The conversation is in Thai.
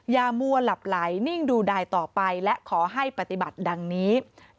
มัวหลับไหลนิ่งดูดายต่อไปและขอให้ปฏิบัติดังนี้